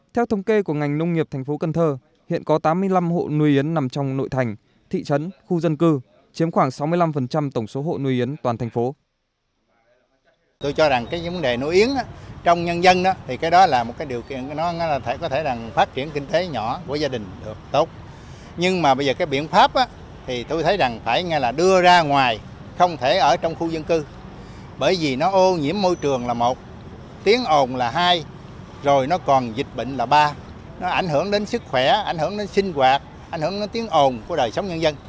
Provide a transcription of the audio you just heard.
theo thông kê của ngành nông nghiệp thành phố cần thơ hiện có tám mươi năm hộ nuôi yến nằm trong nội thành thị trấn khu dân cư chiếm khoảng sáu mươi năm tổng số hộ nuôi yến toàn thành phố